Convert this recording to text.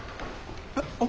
えっ？あっ。